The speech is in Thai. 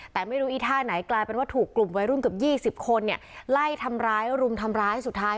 แต่ไม่รู้อีท่าไหนกลายเป็นว่าถูกกลุ่มวัยรุ่นเกือบ๒๐คนเนี่ยไล่ทำร้ายรุมทำร้ายสุดท้าย